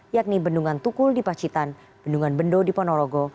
yakni bendungan tukul di pacitan bendungan bendo di ponorogo